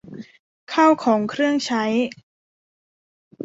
ข้าวของเครื่องใช้